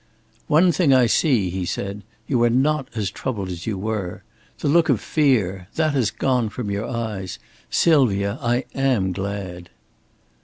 "One thing I see," he said. "You are not as troubled as you were. The look of fear that has gone from your eyes. Sylvia, I am glad!"